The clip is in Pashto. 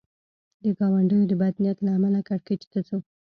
د ګاونډیو د بد نیت له امله کړکېچ ته ځو.